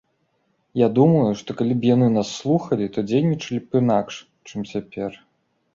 Я думаю, што калі б яны нас слухалі, то дзейнічалі б інакш, чым цяпер!